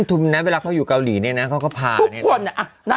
ทุ่มนะเวลาเขาอยู่เกาหลีเนี่ยนะเขาก็พาทุกคน